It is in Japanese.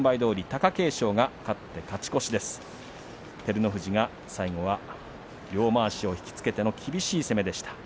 照ノ富士が最後は両まわしを引き付けての厳しい攻めでした。